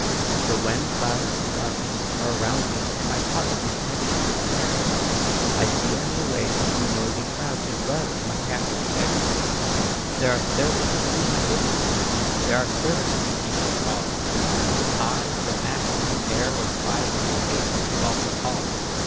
For when clouds and darkness are round me, And my heart is heavy with care, I steal me away from the noisy crowd, To dwell in my castle fair. There are servants to do my bidding; There are servants to heed my call; And I, with a master's air of pride, May pace through the vaulted hall.